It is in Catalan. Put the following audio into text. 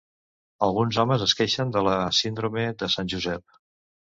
Alguns homes es queixen de la síndrome de Sant Josep.